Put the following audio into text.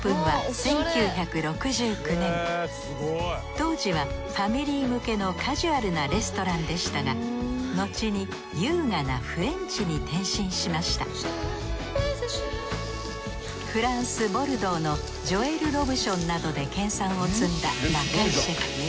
当時はファミリー向けのカジュアルなレストランでしたがのちに優雅なフレンチに転身しましたフランスボルドーのジョエル・ロブションなどで研さんを積んだ中居シェフ。